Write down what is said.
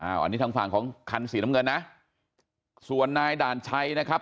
อันนี้ทางฝั่งของคันสีน้ำเงินนะส่วนนายด่านชัยนะครับ